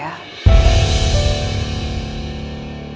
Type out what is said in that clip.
dampak dari kejadian kemarin